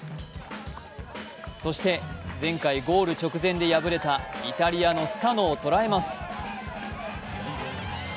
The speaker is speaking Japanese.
そして前回ゴール直前で敗れたイタリアのスタノを捉えます。